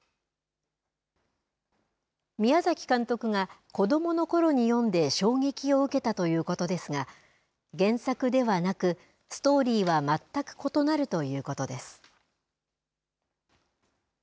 宮崎監督が子どものころに読んで衝撃を受けたということですが原作ではなくストーリーは全く異なるということです。